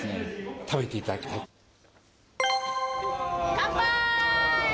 乾杯。